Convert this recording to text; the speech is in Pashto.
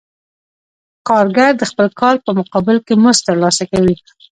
کارګر د خپل کار په مقابل کې مزد ترلاسه کوي